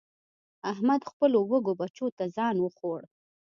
احمد خپلو وږو بچو ته ځان وخوړ.